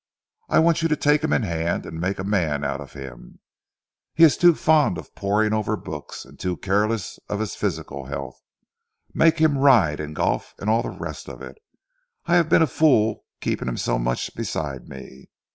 I want you to take him in hand and make a man of him. He is too fond of poring over books; too careless of his physical health. Make him ride, and golf, and all the rest of it. I have been a fool keeping him so much beside me.